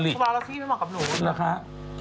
ทวาลัสที่ไม่เหมาะกับหนู